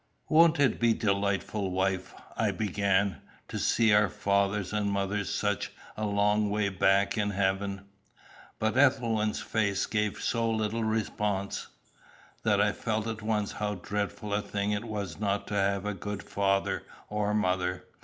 "Won't it be delightful, wife," I began, "to see our fathers and mothers such a long way back in heaven?" But Ethelwyn's face gave so little response, that I felt at once how dreadful a thing it was not to have had a good father or mother.